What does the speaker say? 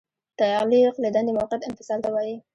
تعلیق له دندې موقت انفصال ته وایي.